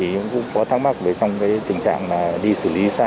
thì cũng có thắc mắc về trong tình trạng đi xử lý xa